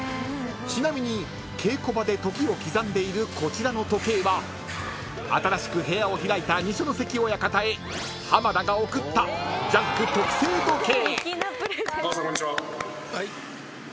［ちなみに稽古場で時を刻んでいるこちらの時計は新しく部屋を開いた二所ノ関親方へ浜田が贈った『ジャンク』特製時計］